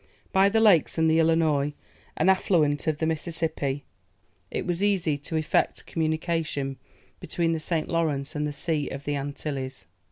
By the lakes and the Illinois, an affluent of the Mississippi, it was easy to effect a communication between the St. Lawrence, and the Sea of the Antilles.